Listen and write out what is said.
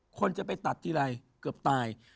คนจะไปตัดทีไรเกือบตาย